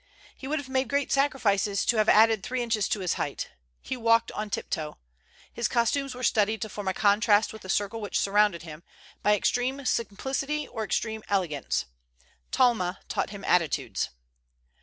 He would have made great sacrifices to have added three inches to his height. He walked on tiptoe. His costumes were studied to form a contrast with the circle which surrounded him, by extreme simplicity or extreme elegance. Talma taught him attitudes.